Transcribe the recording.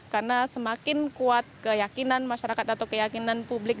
karena semakin kuat keyakinan masyarakat atau keyakinan publik